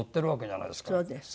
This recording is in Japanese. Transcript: そうです。